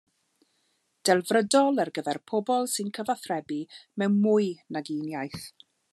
Delfrydol ar gyfer pobl sy'n cyfathrebu mewn mwy nag un iaith.